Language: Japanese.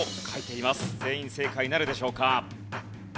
全員正解なるでしょうか？